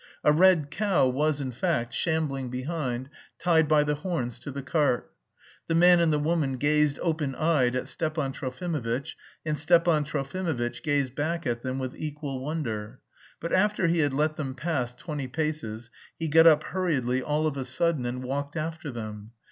A red cow was, in fact, shambling behind, tied by the horns to the cart. The man and the woman gazed open eyed at Stepan Trofimovitch, and Stepan Trofimovitch gazed back at them with equal wonder, but after he had let them pass twenty paces, he got up hurriedly all of a sudden and walked after them.